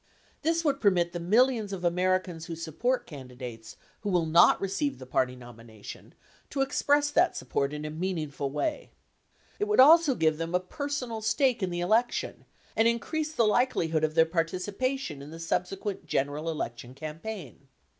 This would permit the millions of Americans who support candidates who will not re ceive the party nomination to express that support in a meaningful way. It would also give them a personal stake in the election and increase the likelihood of their participation in the subsequent general election campaign.